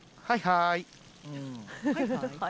「はいはーい」。